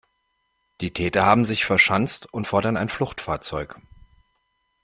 Die Täter haben sich verschanzt und fordern ein Fluchtfahrzeug.